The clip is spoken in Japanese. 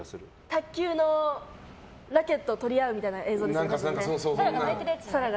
卓球のラケットを取り合うみたいな映像ですよね。